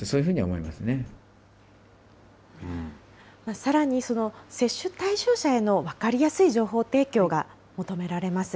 さらに接種対象者への分かりやすい情報提供が求められます。